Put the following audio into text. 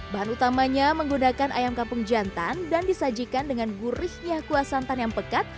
bahan utamanya menggunakan ayam kampung jantan dan disajikan dengan gurihnya kuah santan yang pekat